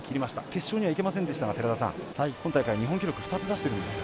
決勝にはいけませんでしたが今大会、日本記録２つ出してます。